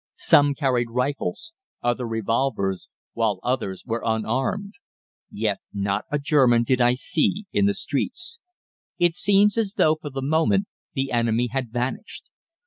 Some carried rifles, others revolvers, while others were unarmed. Yet not a German did I see in the streets. It seemed as though, for the moment, the enemy had vanished.